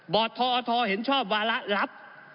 บอดทอเห็นชอบวาระหรับ